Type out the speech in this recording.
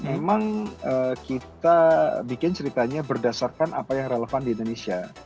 memang kita bikin ceritanya berdasarkan apa yang relevan di indonesia